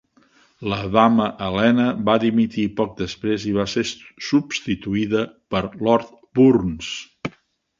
La dama Helena va dimitir poc després i va ser substituïda pel lord Burns.